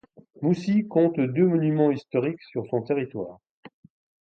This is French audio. Moussy compte deux monuments historiques sur son territoire.